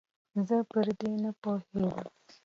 زه پر دې نپوهېدم